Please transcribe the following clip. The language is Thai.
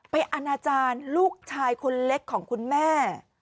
อาณาจารย์ลูกชายคนเล็กของคุณแม่